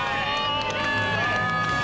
すごい！